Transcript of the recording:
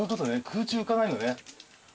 空中浮かないのね。